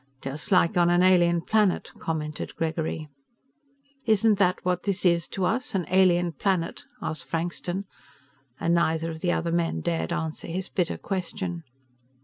"Just like on an alien planet," commented Gregory. "Isn't that what this is to us an alien planet?" asked Frankston, and neither of the other men dared answer his bitter question.